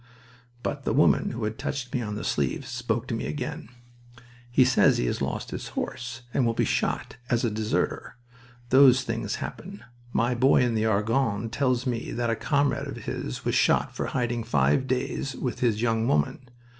But the woman who had touched me on the sleeve spoke to me again. "He says he has lost his horse and will be shot as a deserter. Those things happen. My boy in the Argonne tells me that a comrade of his was shot for hiding five days with his young woman.